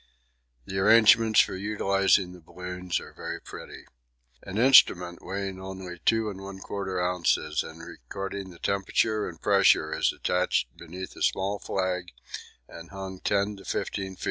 The arrangements for utilising the balloon are very pretty. An instrument weighing only 2 1/4 oz. and recording the temperature and pressure is attached beneath a small flag and hung 10 to 15 ft.